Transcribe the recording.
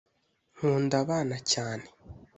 Nkunda abana cyane